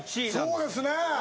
そうですね。